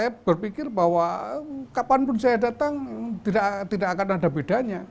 saya berpikir bahwa kapanpun saya datang tidak akan ada bedanya